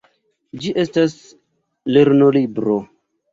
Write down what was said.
Ĝi estas lernolibro.